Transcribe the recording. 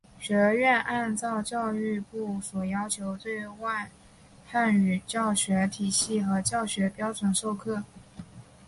学院按照教育部所要求的对外汉语教学体系和教学标准授课。